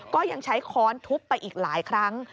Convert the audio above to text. ก็ยังใช้ค้อนทุบไปอีกหลายครั้ง